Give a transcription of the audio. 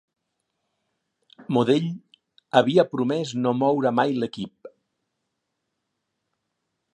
Modell havia promès no moure mai l'equip.